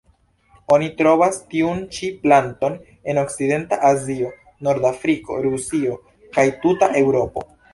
Oni trovas tiun ĉi planton en okcidenta Azio, Nordafriko, Rusio kaj tuta Eŭropo.